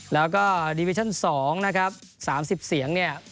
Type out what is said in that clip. แล้วก็ดีวิชั่น๒นะครับ๓๐เสียงเนี่ย